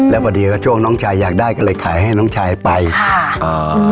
แล้วพอดีก็ช่วงน้องชายอยากได้ก็เลยขายให้น้องชายไปค่ะอ่า